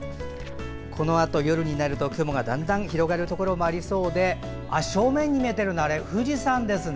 このあと、夜になると雲がだんだん広がるところもありそうで正面に見えているのは富士山ですね。